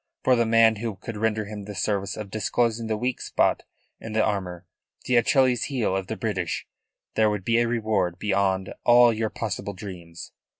For the man who could render him the service of disclosing the weak spot in this armour, the Achilles heel of the British, there would be a reward beyond all your possible dreams.